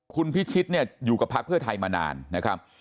คุณพิชิตเนี่ยอยู่กับพักเพื่อไทยมานานนะครับ